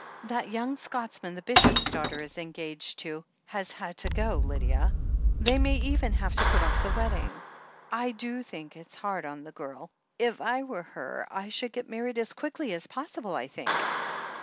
"That yoimg Scotsman the Bishop's daughter is en gaged to has had to go, Lydia, They may even have to put off the wedding. I do think it's hard on the girl. If I were her, I should get married as quickly as pos sible, I think."